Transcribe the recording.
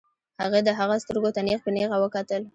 هغې د هغه سترګو ته نېغ په نېغه وکتل.